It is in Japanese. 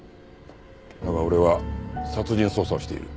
だが俺は殺人捜査をしている。